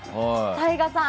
ＴＡＩＧＡさん